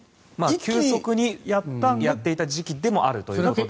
急速にやっていた時期でもあるということで。